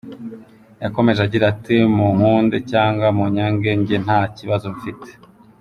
Yakomeje agira ati “Munkunde cyangwa munyange, njye nta kibazo mfite.